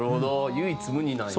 唯一無二なんや。